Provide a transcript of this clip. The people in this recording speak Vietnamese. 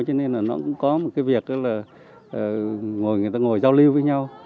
cho nên là nó cũng có một cái việc là người ta ngồi giao lưu với nhau